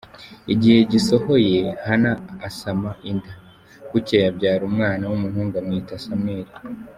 Igihe gisohoye Hana asama inda, bukeye abyara umwana w’umuhungu amwita Samweli.